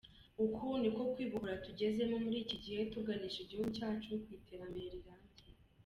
Uko niko kwibohora tugezemo muri iki gihe tuganisha igihugu cyacu ku iterambere rirambye.